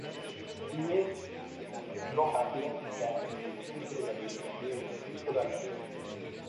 Y es doma clásica en el Centro de Adiestramiento Víctor Álvarez.